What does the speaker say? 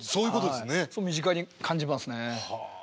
すごく身近に感じますね。